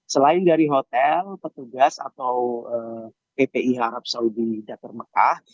selain dari hotel petugas atau ppih arab saudi datar mekah